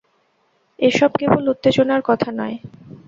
এ-সব কেবল উত্তেজনার কথা নয়?